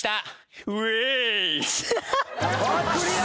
クリア。